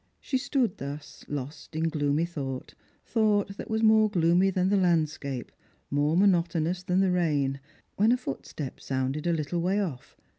She stood thus, lost in gloomy thought, thought that was more gloomy than the landscape, more monotonous than the rain, when a footstep sounded a little way off.